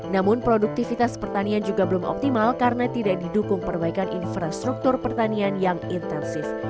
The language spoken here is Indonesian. namun produktivitas pertanian juga belum optimal karena tidak didukung perbaikan infrastruktur pertanian yang intensif